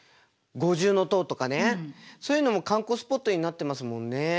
そういうのも観光スポットになってますもんね。